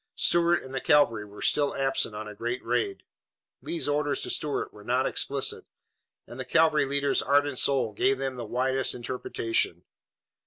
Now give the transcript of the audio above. Stuart and the cavalry were still absent on a great raid. Lee's orders to Stuart were not explicit, and the cavalry leader's ardent soul gave to them the widest interpretation.